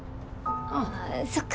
ああそっか。